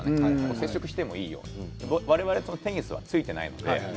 接触してもいいように我々テニスはついていないんです。